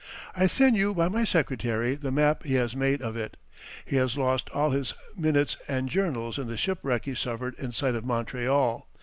I send you by my secretary the map he has made of it.... He has lost all his minutes and journals in the shipwreck he suffered in sight of Montreal....